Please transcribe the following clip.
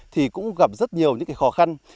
thì cũng gặp rất nhiều những khó khăn